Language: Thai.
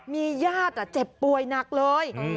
มีญาติเจ็บป่วยหนักเลย